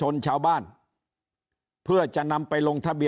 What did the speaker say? ยิ่งอาจจะมีคนเกณฑ์ไปลงเลือกตั้งล่วงหน้ากันเยอะไปหมดแบบนี้